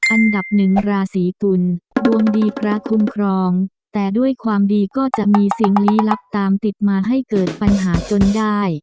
อันดับหนึ่งราศีกุลดวงดีพระคุ้มครองแต่ด้วยความดีก็จะมีสิ่งลี้ลับตามติดมาให้เกิดปัญหาจนได้